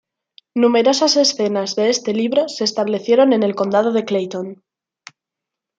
Numerosas escenas de este libro se establecieron en el Condado de Clayton.